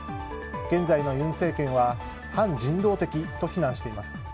現在の尹政権は反人道的と非難しています。